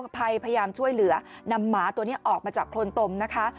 พยายามช่วยเหลือนำหมาตัวนี้ออกมาจากโคนตมนะคะ